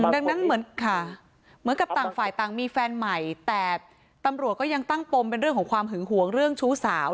ดังนั้นเหมือนค่ะเหมือนกับต่างฝ่ายต่างมีแฟนใหม่แต่ตำรวจก็ยังตั้งปมเป็นเรื่องของความหึงหวงเรื่องชู้สาว